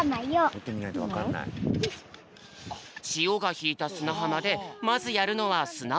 しおがひいたすなはまでまずやるのはすなをほること。